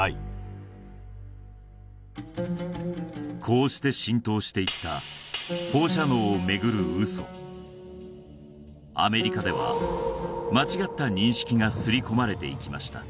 こうして浸透していったアメリカでは間違った認識がすり込まれていきました